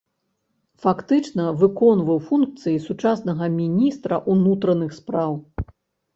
Фактычна выконваў функцыі сучаснага міністра ўнутраных спраў.